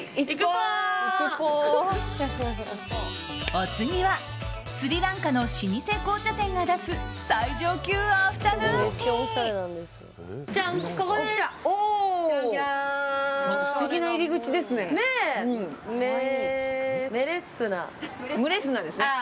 お次はスリランカの老舗紅茶店が出す最上級アフタヌーンティー。